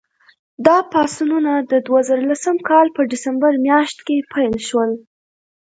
دا پاڅونونه د دوه زره لسم کال په ډسمبر میاشت کې پیل شول.